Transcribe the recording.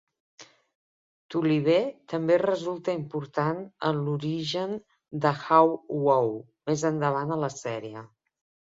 Toliver també resulta important en l'origen de Hawk-Owl més endavant a la sèrie.